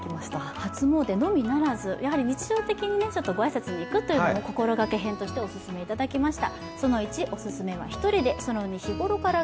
初詣のみならず日常的に御挨拶に行くと心がけ編としてオススメいただきました。